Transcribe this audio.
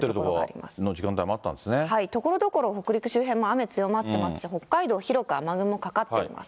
しっかり降ってる所が、ところどころ北陸周辺も雨強まってますし、北海道、広く雨雲、かかっています。